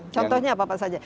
contohnya apa saja